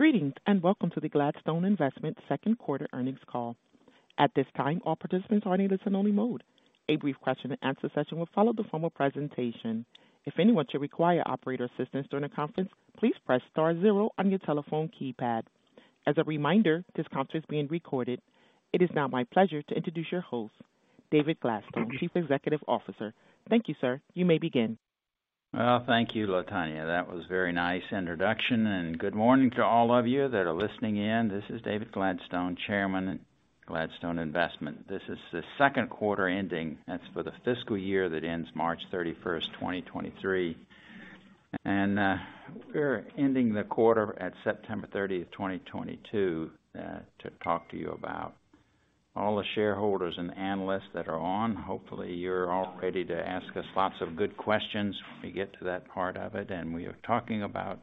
Greetings, and welcome to the Gladstone Investment Q2 Earnings Call. At this time, all participants are in listen only mode. A brief question and answer session will follow the formal presentation. If anyone should require operator assistance during the conference, please press star zero on your telephone keypad. As a reminder, this conference is being recorded. It is now my pleasure to introduce your host, David Gladstone, Chief Executive Officer. Thank you, sir. You may begin. Well, thank you, Latonya. That was a very nice introduction, and good morning to all of you that are listening in. This is David Gladstone, Chairman, Gladstone Investment. This is the Q2 ending. That's for the fiscal year that ends March 31, 2023. We're ending the quarter at September 13, 2022 to talk to you about. All the shareholders and analysts that are on, hopefully, you're all ready to ask us lots of good questions when we get to that part of it. We are talking about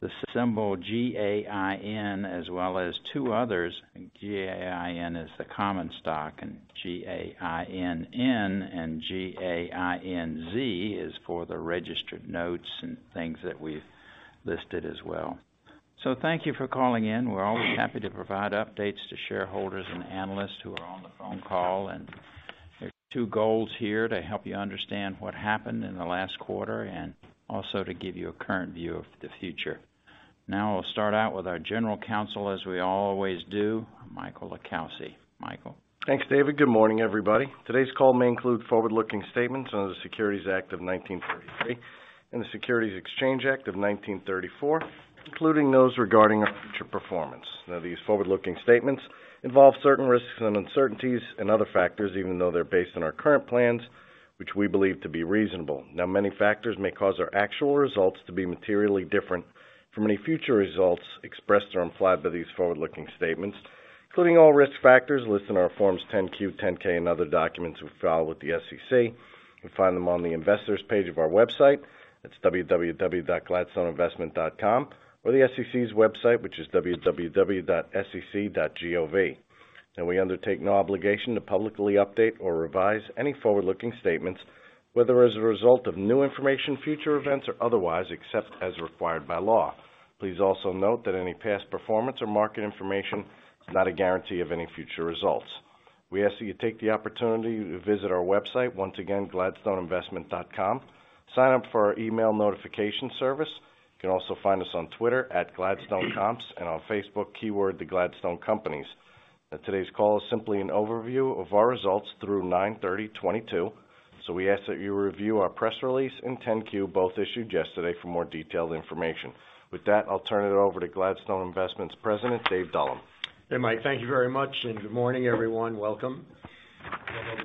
the symbol GAIN, as well as two others. GAIN is the common stock, and GAINN and GAINZ is for the registered notes and things that we've listed as well. Thank you for calling in. We're always happy to provide updates to shareholders and analysts who are on the phone call. There are two goals here to help you understand what happened in the last quarter and also to give you a current view of the future. Now, I'll start out with our General Counsel as we always do, Michael LiCalsi. Michael. Thanks, David. Good morning, everybody. Today's call may include forward-looking statements under the Securities Act of 1933 and the Securities Exchange Act of 1934, including those regarding our future performance. These forward-looking statements involve certain risks and uncertainties and other factors, even though they're based on our current plans, which we believe to be reasonable. Many factors may cause our actual results to be materially different from any future results expressed or implied by these forward-looking statements, including all risk factors listed in our Form 10-Q, Form 10-K, and other documents we file with the SEC. You can find them on the Investors page of our website. It's www.gladstoneinvestment.com, or the SEC's website, which is www.sec.gov. We undertake no obligation to publicly update or revise any forward-looking statements, whether as a result of new information, future events, or otherwise, except as required by law. Please also note that any past performance or market information is not a guarantee of any future results. We ask that you take the opportunity to visit our website, once again, gladstoneinvestment.com. Sign up for our email notification service. You can also find us on Twitter, @gladstonecomps, and on Facebook, keyword, The Gladstone Companies. Now, today's call is simply an overview of our results through 9/30/2022. We ask that you review our press release in 10-Q, both issued yesterday, for more detailed information. With that, I'll turn it over to Gladstone Investment's president, Dave Dullum. Hey, Mike. Thank you very much, and good morning, everyone. Welcome.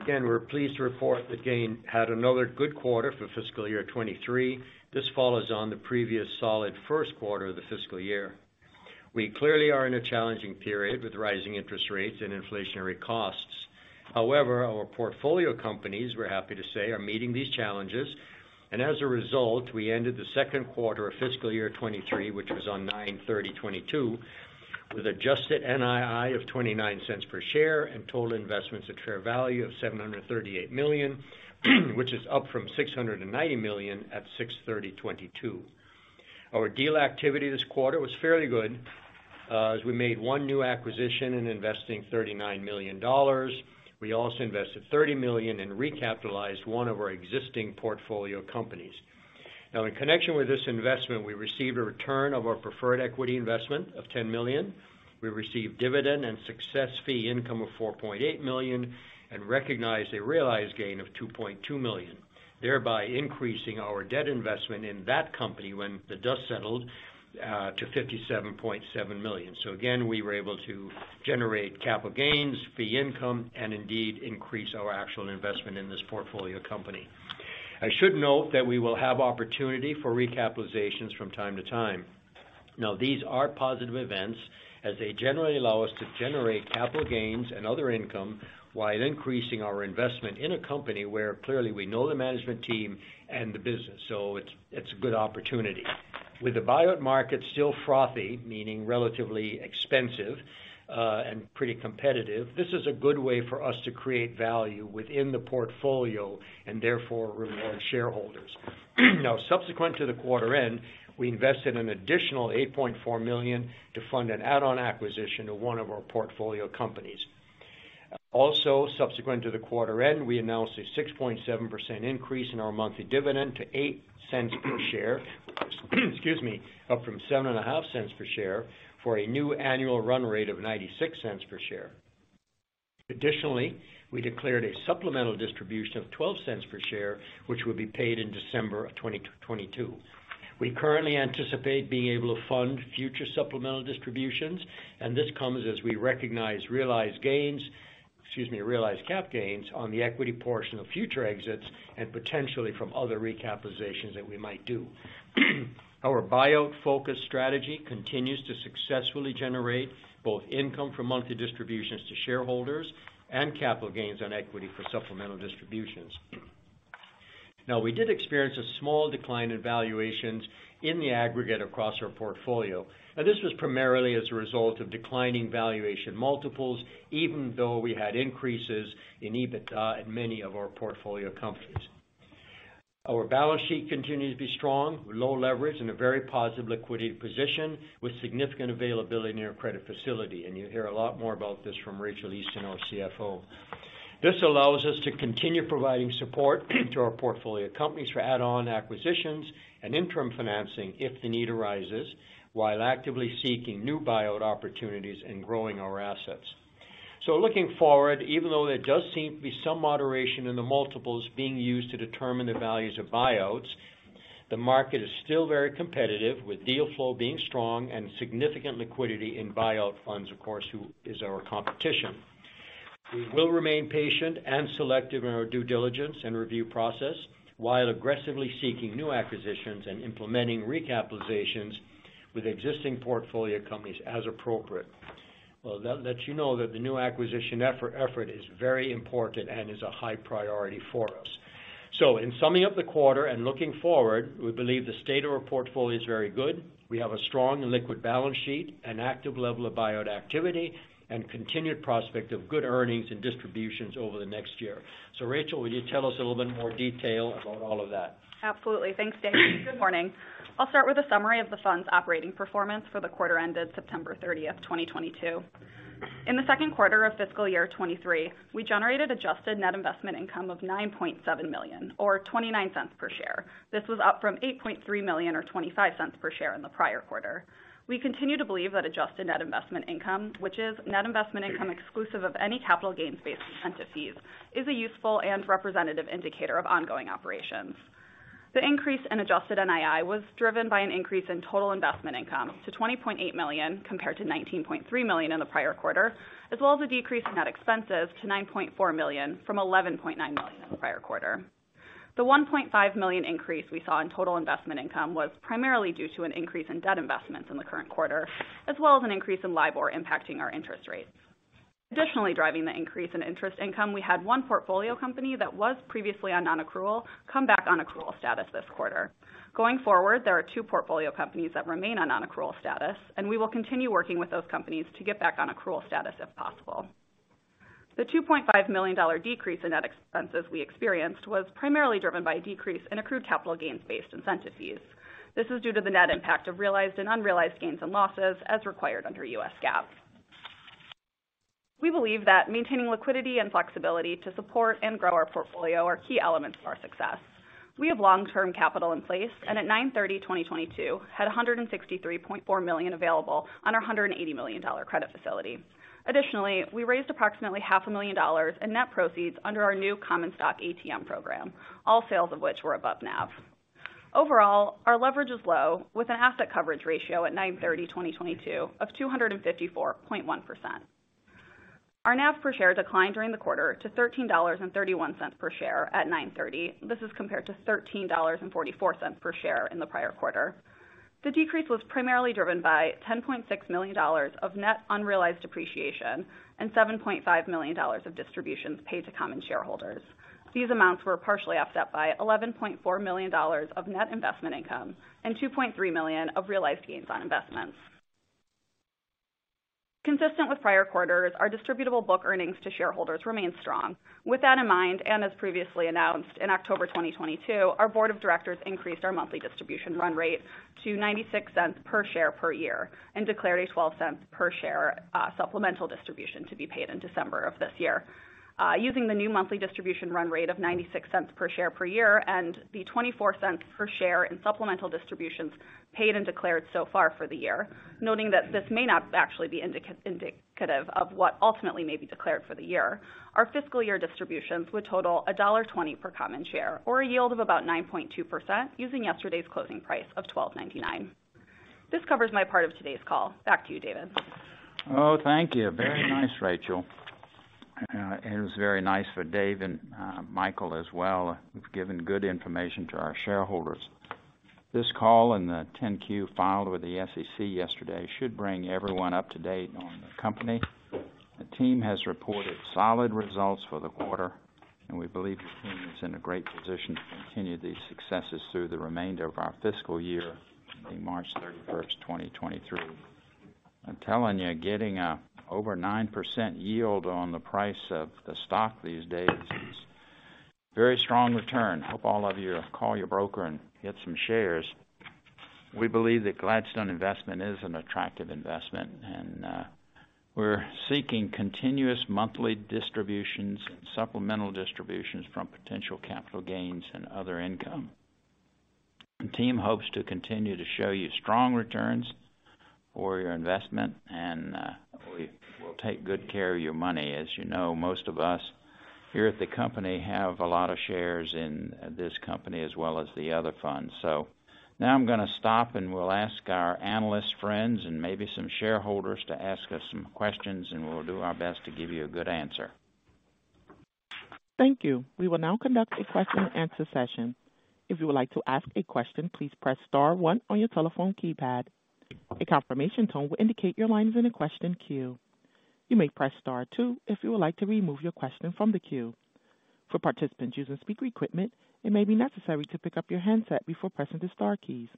Again, we're pleased to report that GAIN had another good quarter for fiscal year 2023. This follows on the previous solid Q1 of the fiscal year. We clearly are in a challenging period with rising interest rates and inflationary costs. However, our portfolio companies, we're happy to say, are meeting these challenges. As a result, we ended the Q2 of fiscal year 2023, which was on 9/30/2022, with adjusted NII of $0.29 per share and total investments at fair value of $738 million, which is up from $690 million at 6/30/2022. Our deal activity this quarter was fairly good, as we made one new acquisition in investing $39 million. We also invested $30 million and recapitalized one of our existing portfolio companies. Now, in connection with this investment, we received a return of our preferred equity investment of $10 million. We received dividend and success fee income of $4.8 million and recognized a realized gain of $2.2 million, thereby increasing our debt investment in that company when the dust settled to $57.7 million. Again, we were able to generate capital gains, fee income, and indeed increase our actual investment in this portfolio company. I should note that we will have opportunity for recapitalizations from time to time. Now, these are positive events as they generally allow us to generate capital gains and other income while increasing our investment in a company where clearly we know the management team and the business. It's a good opportunity. With the buyout market still frothy, meaning relatively expensive, and pretty competitive, this is a good way for us to create value within the portfolio and therefore reward shareholders. Now, subsequent to the quarter end, we invested an additional $8.4 million to fund an add-on acquisition to one of our portfolio companies. Also, subsequent to the quarter end, we announced a 6.7% increase in our monthly dividend to $0.08 per share, excuse me, up from $0.075 per share for a new annual run rate of $0.96 per share. Additionally, we declared a supplemental distribution of $0.12 per share, which will be paid in December of 2022. We currently anticipate being able to fund future supplemental distributions, and this comes as we recognize realized gains, excuse me, realized cap gains on the equity portion of future exits and potentially from other recapitalizations that we might do. Our buyout-focused strategy continues to successfully generate both income from monthly distributions to shareholders and capital gains on equity for supplemental distributions. Now, we did experience a small decline in valuations in the aggregate across our portfolio. Now, this was primarily as a result of declining valuation multiples, even though we had increases in EBITDA in many of our portfolio companies. Our balance sheet continues to be strong, with low leverage and a very positive liquidity position with significant availability in our credit facility. You'll hear a lot more about this from Rachael Easton, our CFO. This allows us to continue providing support to our portfolio companies for add-on acquisitions and interim financing if the need arises, while actively seeking new buyout opportunities and growing our assets. Looking forward, even though there does seem to be some moderation in the multiples being used to determine the values of buyouts, the market is still very competitive, with deal flow being strong and significant liquidity in buyout funds, of course, who is our competition. We will remain patient and selective in our due diligence and review process while aggressively seeking new acquisitions and implementing recapitalizations with existing portfolio companies as appropriate. Well, that lets you know that the new acquisition effort is very important and is a high priority for us. In summing up the quarter and looking forward, we believe the state of our portfolio is very good. We have a strong and liquid balance sheet, an active level of buyout activity, and continued prospect of good earnings and distributions over the next year. Rachael, will you tell us a little bit more detail about all of that? Absolutely. Thanks, David. Good morning. I'll start with a summary of the fund's operating performance for the quarter ended September 30, 2022. In the Q2 of fiscal year 2023, we generated adjusted net investment income of $9.7 million or $0.29 per share. This was up from $8.3 million or $0.25 per share in the prior quarter. We continue to believe that adjusted net investment income, which is net investment income exclusive of any capital gains-based incentive fees, is a useful and representative indicator of ongoing operations. The increase in adjusted NII was driven by an increase in total investment income to $20.8 million compared to $19.3 million in the prior quarter, as well as a decrease in net expenses to $9.4 million from $11.9 million in the prior quarter. The $1.5 million increase we saw in total investment income was primarily due to an increase in debt investments in the current quarter, as well as an increase in LIBOR impacting our interest rates. Additionally, driving the increase in interest income, we had one portfolio company that was previously on non-accrual come back on accrual status this quarter. Going forward, there are two portfolio companies that remain on non-accrual status, and we will continue working with those companies to get back on accrual status if possible. The $2.5 million decrease in net expenses we experienced was primarily driven by a decrease in accrued capital gains-based incentive fees. This is due to the net impact of realized and unrealized gains and losses as required under U.S. GAAP. We believe that maintaining liquidity and flexibility to support and grow our portfolio are key elements to our success. We have long-term capital in place, and at 9/30/2022 had $163.4 million available on our $180 million credit facility. Additionally, we raised approximately half a million dollars in net proceeds under our new common stock ATM program, all sales of which were above NAV. Overall, our leverage is low, with an asset coverage ratio at 9/30/2022 of 254.1%. Our NAV per share declined during the quarter to $13.31 per share at 9/30. This is compared to $13.44 per share in the prior quarter. The decrease was primarily driven by $10.6 million of net unrealized appreciation and $7.5 million of distributions paid to common shareholders. These amounts were partially offset by $11.4 million of net investment income and $2.3 million of realized gains on investments. Consistent with prior quarters, our distributable book earnings to shareholders remain strong. With that in mind, and as previously announced, in October 2022, our board of directors increased our monthly distribution run rate to $0.96 per share per year and declared a $0.12 per share supplemental distribution to be paid in December of this year. Using the new monthly distribution run rate of $0.96 per share per year and the $0.24 per share in supplemental distributions paid and declared so far for the year, noting that this may not actually be indicative of what ultimately may be declared for the year, our fiscal year distributions would total $1.20 per common share or a yield of about 9.2% using yesterday's closing price of $12.99. This covers my part of today's call. Back to you, David. Oh, thank you. Very nice, Rachael. It was very nice for Dave and Michael as well, who've given good information to our shareholders. This call and the 10-Q filed with the SEC yesterday should bring everyone up to date on the company. The team has reported solid results for the quarter, and we believe the team is in a great position to continue these successes through the remainder of our fiscal year ending March 31, 2023. I'm telling you, getting over 9% yield on the price of the stock these days is very strong return. Hope all of you call your broker and get some shares. We believe that Gladstone Investment is an attractive investment, and we're seeking continuous monthly distributions and supplemental distributions from potential capital gains and other income. The team hopes to continue to show you strong returns for your investment, and we will take good care of your money. As you know, most of us here at the company have a lot of shares in this company as well as the other funds. Now I'm gonna stop, and we'll ask our analyst friends and maybe some shareholders to ask us some questions, and we'll do our best to give you a good answer. Thank you. We will now conduct a question and answer session. If you would like to ask a question, please press star one on your telephone keypad. A confirmation tone will indicate your line is in a question queue. You may press star two if you would like to remove your question from the queue. For participants using speaker equipment, it may be necessary to pick up your handset before pressing the star keys.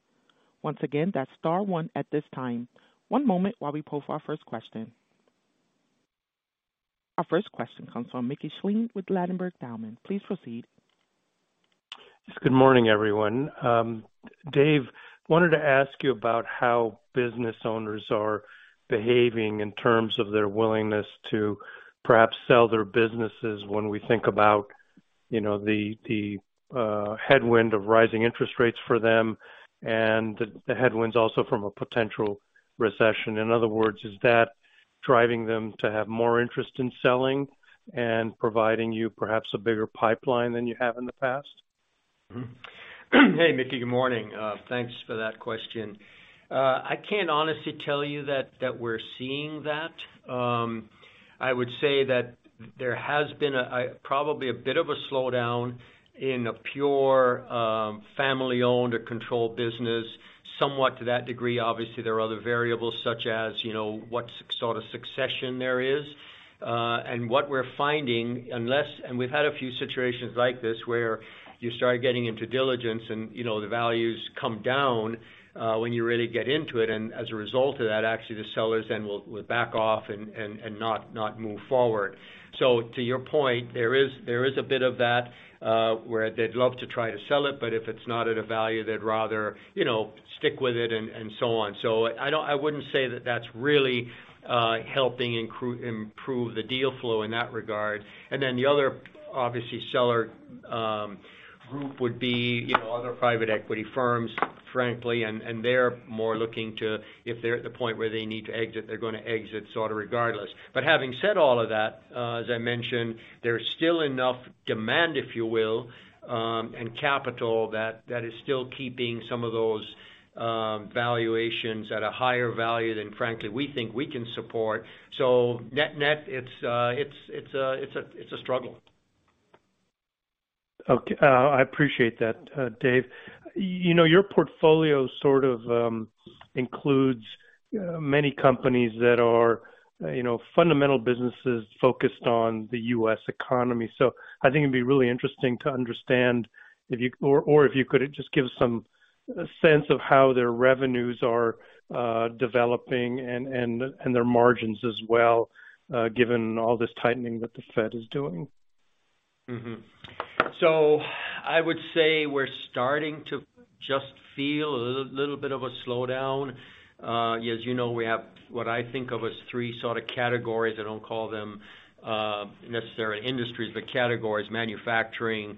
Once again, that's star one at this time. One moment while we poll for our first question. Our first question comes from Mickey Schleien with Ladenburg Thalmann. Please proceed. Good morning, everyone. Dave, wanted to ask you about how business owners are behaving in terms of their willingness to perhaps sell their businesses when we think about, you know, the headwind of rising interest rates for them and the headwinds also from a potential recession. In other words, is that driving them to have more interest in selling and providing you perhaps a bigger pipeline than you have in the past? Hey, Mickey, good morning. Thanks for that question. I can't honestly tell you that we're seeing that. I would say that there has been probably a bit of a slowdown in a pure family-owned or controlled business, somewhat to that degree. Obviously, there are other variables such as, you know, what sort of succession there is. What we're finding, we've had a few situations like this where you start getting into diligence and, you know, the values come down when you really get into it, and as a result of that, actually the sellers then will back off and not move forward. To your point, there is a bit of that, where they'd love to try to sell it, but if it's not at a value, they'd rather, you know, stick with it and so on. I wouldn't say that that's really helping improve the deal flow in that regard. Then the other obvious seller group would be, you know, other private equity firms, frankly, and they're more looking to, if they're at the point where they need to exit, they're gonna exit sort a regardless. Having said all of that, as I mentioned, there's still enough demand, if you will, and capital that is still keeping some of those valuations at a higher value than frankly we think we can support. Net-net it's a struggle. Okay. I appreciate that, Dave. You know, your portfolio sort of includes many companies that are, you know, fundamental businesses focused on the U.S. economy. I think it'd be really interesting to understand if you could just give some sense of how their revenues are developing and their margins as well, given all this tightening that the Fed is doing. I would say we're starting to just feel a little bit of a slowdown. As you know, we have what I think of as three sort a categories. I don't call them necessarily industries, but categories. Manufacturing,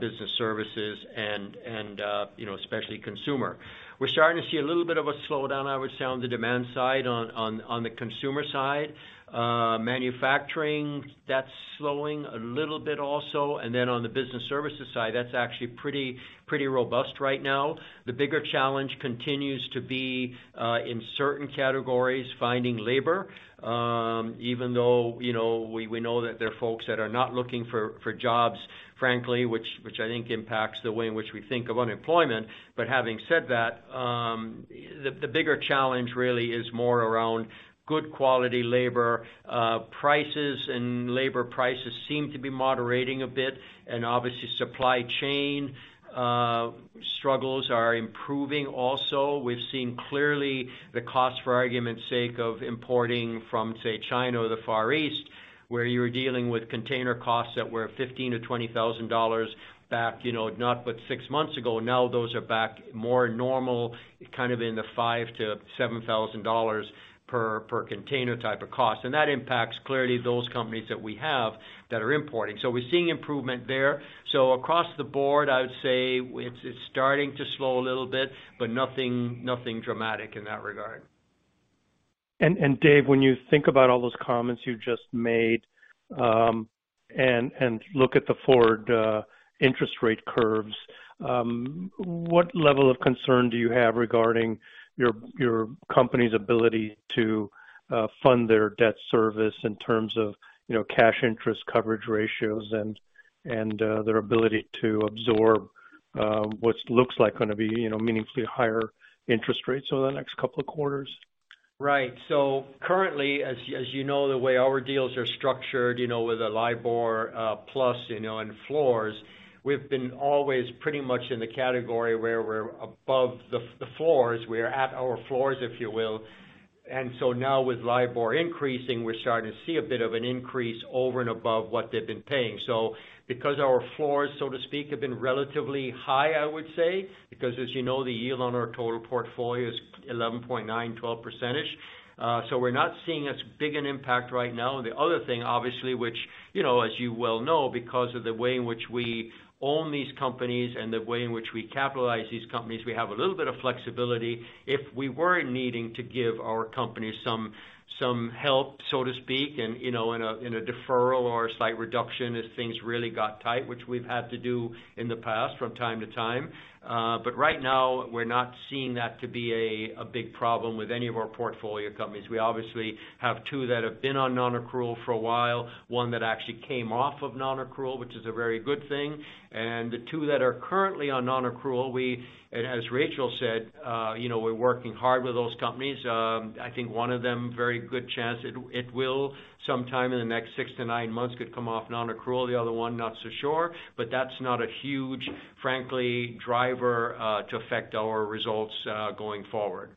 business services and, you know, especially consumer. We're starting to see a little bit of a slowdown, I would say, on the demand side on the consumer side. Manufacturing, that's slowing a little bit also. Then on the business services side, that's actually pretty robust right now. The bigger challenge continues to be in certain categories, finding labor. Even though, you know, we know that there are folks that are not looking for jobs, frankly, which I think impacts the way in which we think of unemployment. Having said that, the bigger challenge really is more around good quality labor. Prices and labor prices seem to be moderating a bit and obviously supply chain struggles are improving also. We've seen clearly the cost, for argument's sake, of importing from, say, China or the Far East, where you were dealing with container costs that were $15,000-$20,000 back, you know, not but six months ago. Now those are back more normal, kind of in the $5,000-$7,000 per container type of cost. That impacts clearly those companies that we have that are importing. We're seeing improvement there. Across the board, I would say it's starting to slow a little bit, but nothing dramatic in that regard. Dave, when you think about all those comments you just made, and look at the forward interest rate curves, what level of concern do you have regarding your company's ability to fund their debt service in terms of, you know, cash interest coverage ratios and their ability to absorb what looks like gonna be, you know, meaningfully higher interest rates over the next couple of quarters? Right. Currently as you know, the way our deals are structured, you know, with a LIBOR plus, you know, and floors, we've been always pretty much in the category where we're above the floors. We're at our floors, if you will. Now with LIBOR increasing, we're starting to see a bit of an increase over and above what they've been paying. Because our floors, so to speak, have been relatively high, I would say, because as you know, the yield on our total portfolio is 11.9%-12%. We're not seeing as big an impact right now. The other thing obviously, which you know as you well know, because of the way in which we own these companies and the way in which we capitalize these companies, we have a little bit of flexibility if we were needing to give our companies some help, so to speak, and you know, in a deferral or a slight reduction if things really got tight, which we've had to do in the past from time to time. Right now, we're not seeing that to be a big problem with any of our portfolio companies. We obviously have two that have been on non-accrual for a while, one that actually came off of non-accrual, which is a very good thing. The two that are currently on non-accrual, and as Rachael said, you know, we're working hard with those companies. I think one of them, very good chance it will sometime in the next six-nine months could come off non-accrual. The other one, not so sure. That's not a huge, frankly, driver to affect our results going forward.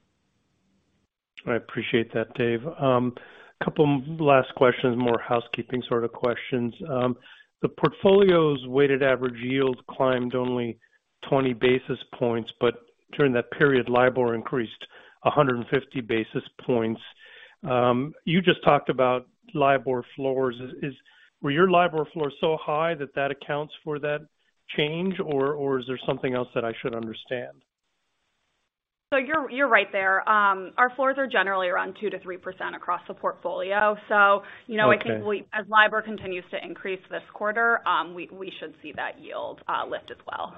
I appreciate that, Dave. Couple last questions, more housekeeping sort of questions. The portfolio's weighted average yield climbed only 20 basis points, but during that period, LIBOR increased 150 basis points. You just talked about LIBOR floors. Were your LIBOR floors so high that that accounts for that change? Or is there something else that I should understand? You're right there. Our floors are generally around 2%-3% across the portfolio. You know- Okay. I think as LIBOR continues to increase this quarter, we should see that yield lift as well.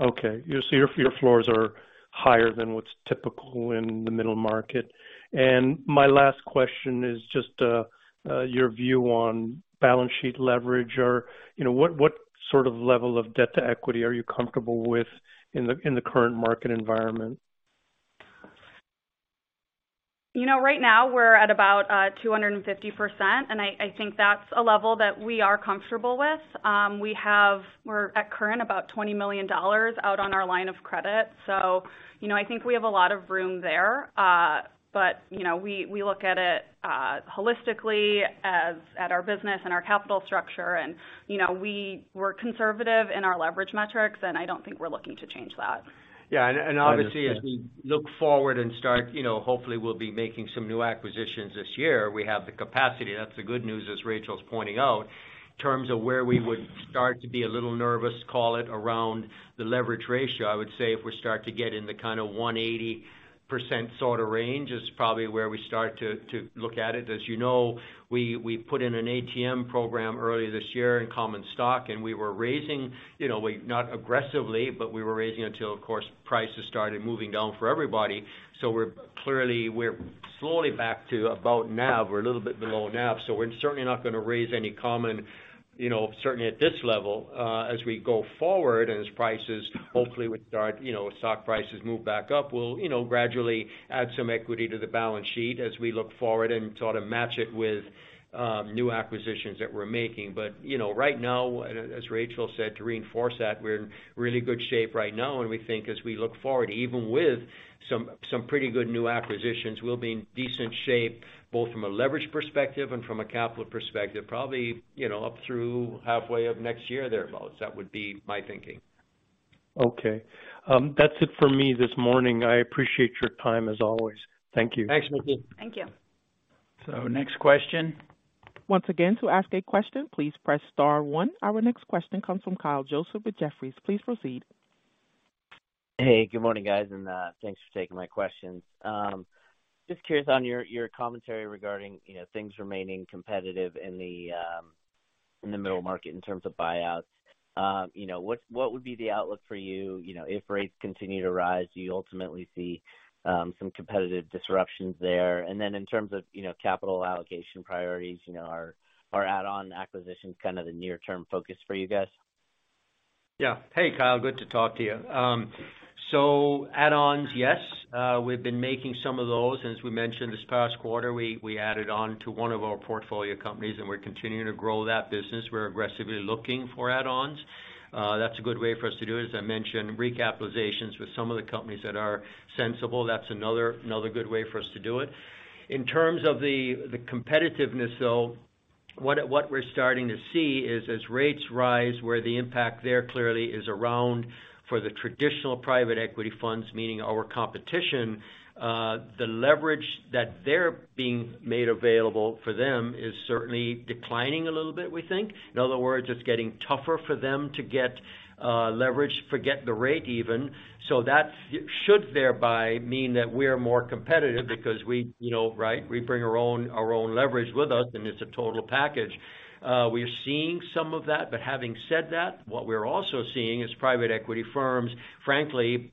Okay. You see your floors are higher than what's typical in the middle market. My last question is just your view on balance sheet leverage or, you know, what sort of level of debt to equity are you comfortable with in the current market environment? You know, right now we're at about 250%, and I think that's a level that we are comfortable with. We're currently at about $20 million out on our line of credit. You know, I think we have a lot of room there. You know, we look at it holistically at our business and our capital structure. You know, we were conservative in our leverage metrics, and I don't think we're looking to change that. Yeah. Obviously, as we look forward and start, you know, hopefully we'll be making some new acquisitions this year. We have the capacity. That's the good news, as Rachael's pointing out. In terms of where we would start to be a little nervous, call it around the leverage ratio, I would say if we start to get in the kind of 180% sort of range is probably where we start to look at it. As you know, we put in an ATM program earlier this year in common stock, and we were raising, you know, not aggressively, but we were raising until, of course, prices started moving down for everybody. We're clearly slowly back to about NAV. We're a little bit below NAV, so we're certainly not gonna raise any common, you know, certainly at this level. As we go forward and as prices hopefully would start, you know, stock prices move back up, we'll, you know, gradually add some equity to the balance sheet as we look forward and sort of match it with new acquisitions that we're making. You know, right now, as Rachael said, to reinforce that, we're in really good shape right now, and we think as we look forward, even with some pretty good new acquisitions, we'll be in decent shape both from a leverage perspective and from a capital perspective, probably, you know, up through halfway of next year thereabout. That would be my thinking. Okay. That's it for me this morning. I appreciate your time as always. Thank you. Thanks, Mickey. Thank you. Next question. Once again, to ask a question, please press star one. Our next question comes from Kyle Joseph with Jefferies. Please proceed. Hey, good morning, guys, and thanks for taking my questions. Just curious on your commentary regarding, you know, things remaining competitive in the middle market in terms of buyouts. You know, what would be the outlook for you know, if rates continue to rise? Do you ultimately see some competitive disruptions there? In terms of, you know, capital allocation priorities, you know, are add-on acquisitions kind of the near term focus for you guys? Yeah. Hey, Kyle, good to talk to you. So add-ons, yes. We've been making some of those. As we mentioned this past quarter, we added on to one of our portfolio companies, and we're continuing to grow that business. We're aggressively looking for add-ons. That's a good way for us to do it. As I mentioned, recapitalizations with some of the companies that are sensible, that's another good way for us to do it. In terms of the competitiveness, though, what we're starting to see is as rates rise, where the impact there clearly is around for the traditional private equity funds, meaning our competition, the leverage that they're being made available for them is certainly declining a little bit, we think. In other words, it's getting tougher for them to get leverage, forget the rate even. That should thereby mean that we're more competitive because we, you know, right? We bring our own leverage with us, and it's a total package. We're seeing some of that, but having said that, what we're also seeing is private equity firms, frankly,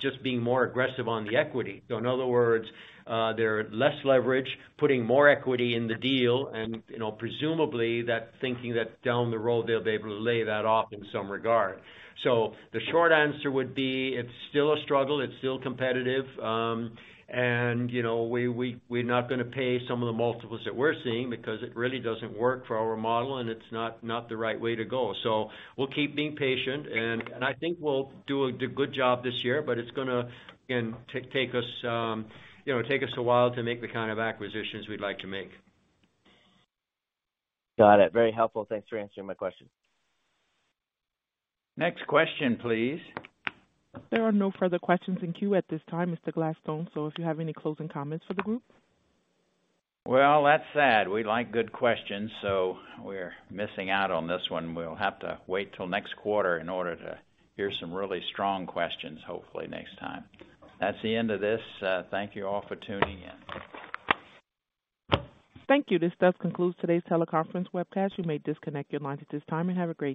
just being more aggressive on the equity. In other words, they're using less leverage, putting more equity in the deal and, you know, presumably thinking that down the road, they'll be able to pay it off in some regard. The short answer would be it's still a struggle, it's still competitive. You know, we're not gonna pay some of the multiples that we're seeing because it really doesn't work for our model, and it's not the right way to go. We'll keep being patient, and I think we'll do a good job this year, but it's gonna, again, take us, you know, take us a while to make the kind of acquisitions we'd like to make. Got it. Very helpful. Thanks for answering my question. Next question, please. There are no further questions in queue at this time, Mr. Gladstone, so if you have any closing comments for the group. Well, that's sad. We like good questions, so we're missing out on this one. We'll have to wait till next quarter in order to hear some really strong questions, hopefully next time. That's the end of this. Thank you all for tuning in. Thank you. This does conclude today's teleconference webcast. You may disconnect your lines at this time, and have a great day.